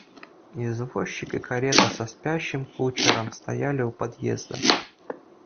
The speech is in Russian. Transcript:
Извозчик и карета со спящим кучером стояли у подъезда.